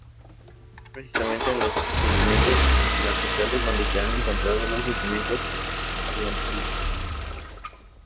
Es precisamente en los sedimentos lacustres donde se han encontrado los yacimientos paleontológicos.